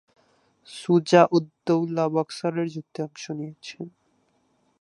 সুজা-উদ-দৌলা বক্সারের যুদ্ধে অংশ নিয়েছেন।